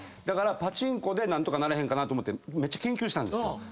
だからパチンコで何とかならへんかなと思ってめっちゃ研究したんですよ。